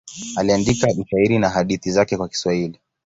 Aliandika ushairi na hadithi zake kwa Kiswahili.